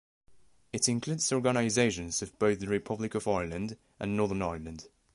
It includes organizations of both the Republic of Ireland and Northern Ireland.